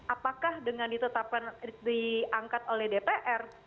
apakah dengan ditetapkan diangkat oleh dpr